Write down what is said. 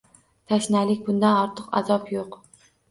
Tashnalik! Bundan ortiq azob yo‘q